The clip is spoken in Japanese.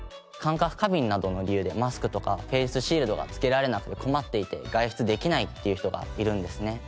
感覚過敏などの理由でマスクとかフェースシールドが着けられなくて困っていて外出できないっていう人がいるんですね。